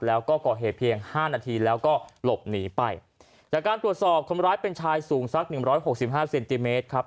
แล้วก็ก่อเหตุเพียงห้านาทีแล้วก็หลบหนีไปจากการตรวจสอบคนร้ายเป็นชายสูงสักหนึ่งร้อยหกสิบห้าเซนติเมตรครับ